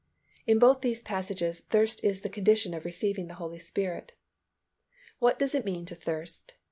In both these passages thirst is the condition of receiving the Holy Spirit. What does it mean to thirst?